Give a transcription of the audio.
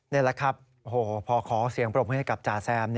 นี่แหละครับพอขอเสียงปรบมือให้กับจ่าแซม